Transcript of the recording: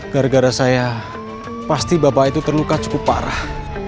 gara gara saya pasti bapak itu terluka cukup parah